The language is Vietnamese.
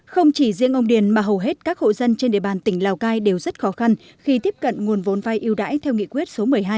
không chỉ riêng ông điền mà hầu hết các hộ dân trên địa bàn tỉnh lào cai đều rất khó khăn khi tiếp cận nguồn vốn vai yêu đãi theo nghị quyết số một mươi hai